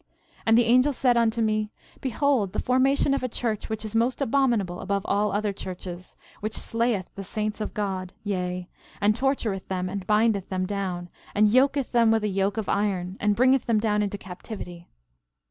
13:5 And the angel said unto me: Behold the formation of a church which is most abominable above all other churches, which slayeth the saints of God, yea, and tortureth them and bindeth them down, and yoketh them with a yoke of iron, and bringeth them down into captivity.